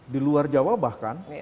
di luar jawa bahkan